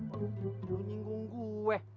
aduh dulu nyinggung gue